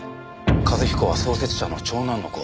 一彦は創設者の長男の子。